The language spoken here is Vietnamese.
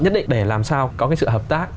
nhất định để làm sao có cái sự hợp tác